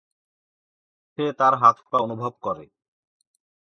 সে তার হাত পা অনুভব করে।